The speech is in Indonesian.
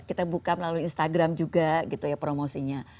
kita buka melalui instagram juga gitu ya promosinya